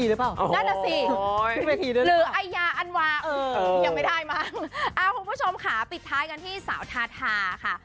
คุณผู้ชมค่ะปิดท้ายกันที่สาวทาทาค่ะ